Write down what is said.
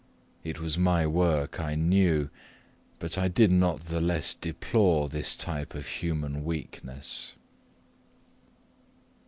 It was my, work, I knew; but I did not the less deplore this type of human weakness.